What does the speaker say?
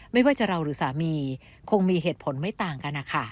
ไม่ว่าจะเราหรือสามีคงมีเหตุผลไม่ต่างกันนะคะ